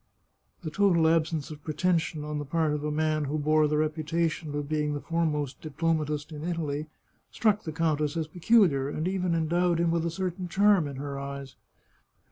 The total absence of pretension on the part of a man who bore the reputation of being the foremost diplomatist in Italy struck the countess as peculiar, and even endowed him with a certain charm in her eyes.